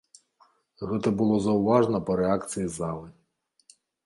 Гэта было заўважна па рэакцыі залы.